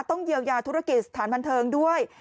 ต้องเยียวยาธุรกิจสถานบันเทิงด้วย